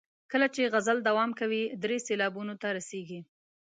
کله چې غزل دوام کوي درې سېلابونو ته رسیږي.